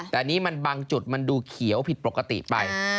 แต่อันนี้มันบางจุดมันดูเขียวผิดปกติไป